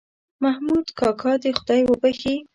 محمود کاکا دې خدای وبښې.